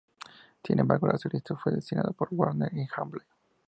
Sin embargo, la solicitud fue desestimada por Warner y Hawley.